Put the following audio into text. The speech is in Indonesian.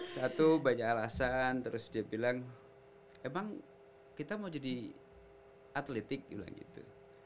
satu banyak alasan terus dia bilang emang kita mau jadi atletik bilang gitu